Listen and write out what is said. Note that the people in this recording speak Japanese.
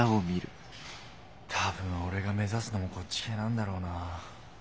多分オレが目指すのもこっち系なんだろうな。